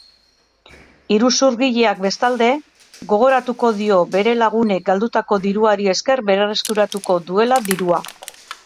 Iruzurgileak bestalde, gogoratuko dio bere lagunek galdutako diruari esker berreskuratu duela dirua.